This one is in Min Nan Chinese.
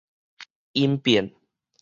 音變